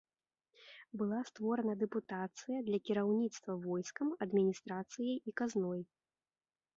Была створана дэпутацыя для кіраўніцтва войскам, адміністрацыяй і казной.